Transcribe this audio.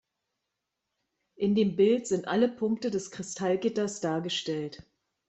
In dem Bild sind alle Punkte des Kristallgitters dargestellt.